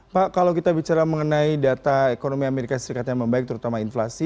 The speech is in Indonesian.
pak kalau kita bicara mengenai data ekonomi amerika serikat yang membaik terutama inflasi